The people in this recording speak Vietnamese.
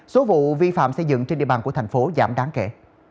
số vụ vi phạm xây dựng trên địa bàn của thành phố giảm đáng kể